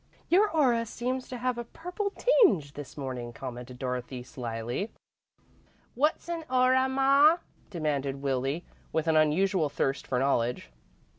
"Your aura seems to have a purple tinge this morning," commented Dorothy, slyly. "What's a aura, ma?" demanded Willie, with an unusual thirst for knowledge.